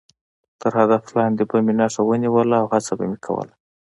تر هدف لاندې به مې نښه ونیوله او هڅه به مې کوله.